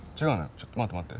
ちょっと待って待って。